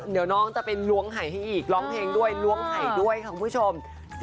เดี๋ยวน้องจะไปล้วงไห่ให้อีกร้องเพลงด้วยล้วงไห่ด้วยค่ะคุณผู้ชม